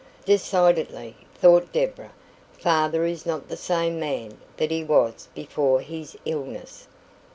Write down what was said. "Decidedly," thought Deborah, "father is not the same man that he was before his illness."